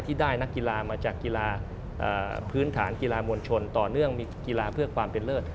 ที่ได้นักกีฬามาจากกีฬาพื้นฐานกีฬามวลชนต่อเนื่องมีกีฬาเพื่อความเป็นเลิศ